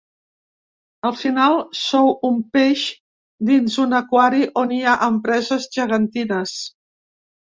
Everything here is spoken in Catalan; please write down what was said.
Al final, sou un peix dins un aquari on hi ha empreses gegantines.